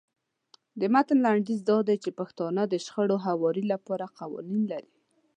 د متن لنډیز دا دی چې پښتانه د شخړو هواري لپاره قوانین لري.